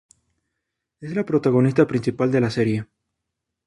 Es la protagonista principal de la serie.